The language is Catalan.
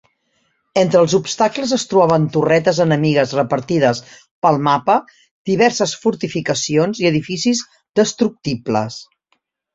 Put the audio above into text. Entre els obstacles es trobaven torretes enemigues repartides pel mapa, diverses fortificacions i edificis destructibles.